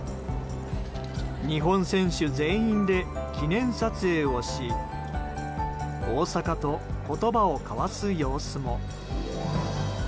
日本選手全員で記念撮影をし大坂と言葉を交わす様子も。